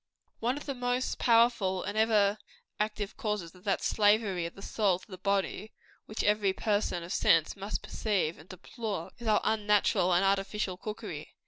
One of the most powerful and ever active causes of that slavery of the soul to the body, which every person of sense must perceive and deplore, is our unnatural and artificial cookery.